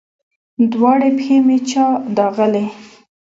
دواړې پښې مې چا داغلي